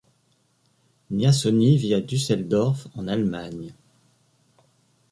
Niasony vit à Düsseldorf, en Allemagne.